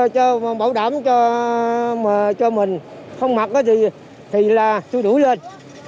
cho bảo đảm cho mình không mặc thì là tôi đủ lên